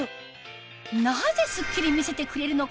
なぜスッキリみせてくれるのか？